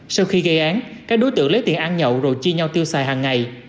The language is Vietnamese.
sau khi gây án các đối tượng lấy tiền ăn nhậu rồi chia nhau tiêu xài hàng ngày